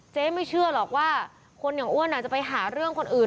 ไม่เชื่อหรอกว่าคนอย่างอ้วนอาจจะไปหาเรื่องคนอื่น